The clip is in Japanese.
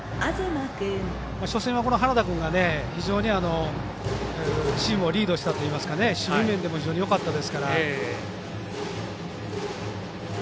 初戦は原田君が非常にチームをリードしたというか守備面でも非常によかったですから。